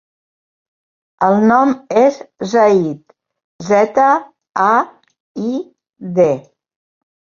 El nom és Zaid: zeta, a, i, de.